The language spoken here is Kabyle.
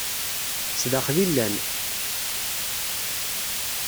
Zdaxel i llan.